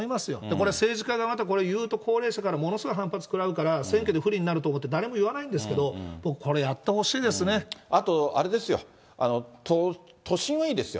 これ、政治家がまた言うと高齢者からものすごい反発食らうから、選挙に不利になると思って、誰も言わないんですけど、僕、これやあとあれですよ、都心はいいですよ。